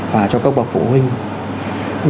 và cho các bậc phụ huynh